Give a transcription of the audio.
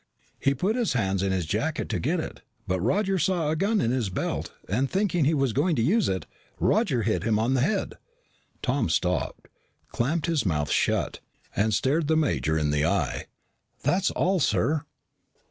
He put his hands in his jacket to get it, but Roger saw a gun in his belt, and thinking he was going to use it, Roger hit him on the head." Tom stopped, clamped his mouth shut, and stared the major in the eye. "That's all, sir."